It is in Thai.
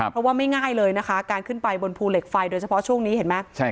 เพราะว่าไม่ง่ายเลยนะคะการขึ้นไปบนภูเหล็กไฟโดยเฉพาะช่วงนี้เห็นไหม